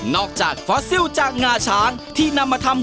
อกจากฟอสซิลจากงาช้างที่นำมาทำ